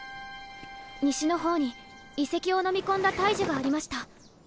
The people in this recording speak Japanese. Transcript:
西のほうに遺跡をのみ込んだ大樹がありました。